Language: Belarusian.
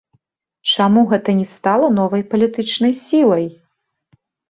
Чаму гэта не стала новай палітычнай сілай?